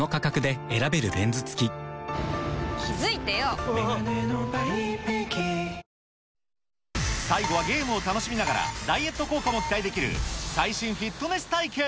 最終回では受付を残すため、最後はゲームを楽しみながら、ダイエット効果も期待できる最新フィットネス対決。